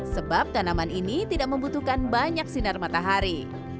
sebab tanaman ini tidak membutuhkan banyak sinar matahari